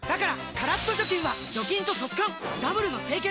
カラッと除菌は除菌と速乾ダブルの清潔！